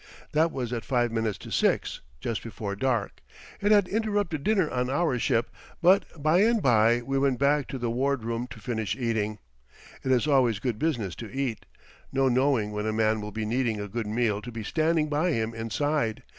That was at five minutes to six, just before dark. It had interrupted dinner on our ship; but by and by we went back to the ward room to finish eating. It is always good business to eat no knowing when a man will be needing a good meal to be standing by him inside.